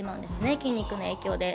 筋肉の影響で。